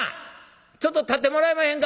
ちょっと立ってもらえまへんか！